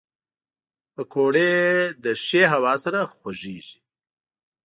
پکورې له ښې هوا سره خوږېږي